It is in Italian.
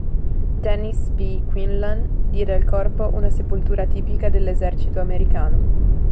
Dennis P. Quinlan, diede al corpo una sepoltura tipica dell'esercito americano.